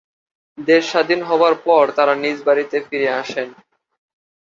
দেশ স্বাধীন হবার পর তারা নিজ বাড়িতে ফিরে আসেন।